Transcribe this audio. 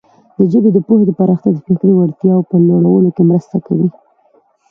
د ژبې د پوهې پراختیا د فکري وړتیاوو په لوړولو کې مرسته کوي.